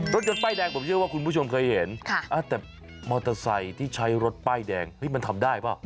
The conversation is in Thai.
รถยนต์ป้ายแดงผมเชื่อว่าคุณผู้ชมเคยเห็นแต่มอเตอร์ไซค์ที่ใช้รถป้ายแดงมันทำได้เปล่า